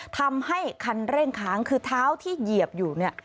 ทำให้คันเร่งค้างคือเท้าที่เหยียบอยู่เนี่ย